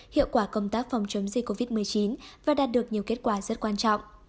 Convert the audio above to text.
hiệu quả công tác phòng chống dịch covid một mươi chín và đạt được nhiều kết quả rất quan trọng